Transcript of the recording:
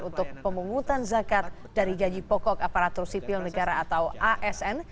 untuk pemungutan zakat dari gaji pokok aparatur sipil negara atau asn